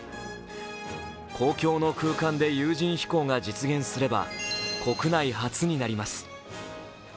公共の空間で有人飛行が実現すれば国内初になります。